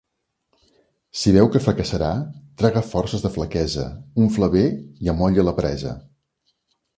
Si veu que fracassarà, traga forces de flaquesa, unfle bé i amolle la presa.